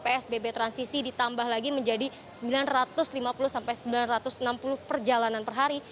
psbb transisi ditambah lagi menjadi sembilan ratus lima puluh sembilan ratus enam puluh perjalanan per hari